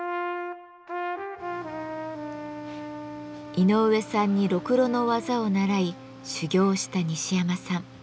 井上さんにろくろの技を習い修業した西山さん